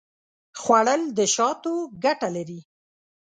خوړل د شاتو ګټه لري